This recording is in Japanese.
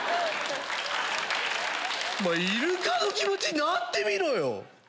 お前イルカの気持ちになってみろよ。